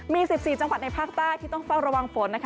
มี๑๔จังหวัดในภาคใต้ที่ต้องเฝ้าระวังฝนนะคะ